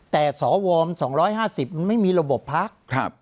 แต่สว๒๕๐มันไม่มีระบบพัก